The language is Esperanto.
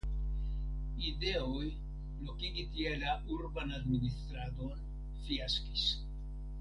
Ideoj lokigi tie la urban administradon fiaskis.